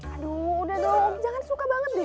aduh udah dong jangan suka banget nih